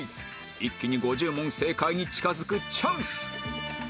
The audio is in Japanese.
一気に５０問正解に近付くチャンス